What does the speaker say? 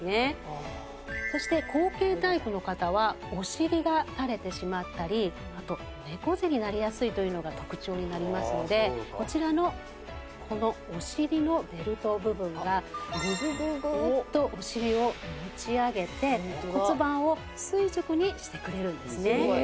そして後傾タイプの方はお尻がたれてしまったりあと猫背になりやすいというのが特徴になりますのでこちらのこのお尻のベルト部分がググググッとお尻を持ち上げて骨盤を垂直にしてくれるんですね。